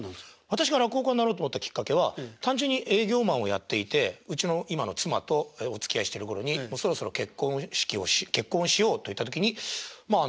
私が落語家になろうと思ったきっかけは単純に営業マンをやっていてうちの今の妻とおつきあいしてる頃にそろそろ結婚をしようといった時にまあ